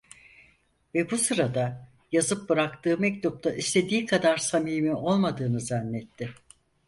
Ve bu sırada, yazıp bıraktığı mektupta istediği kadar samimi olmadığını zannetti…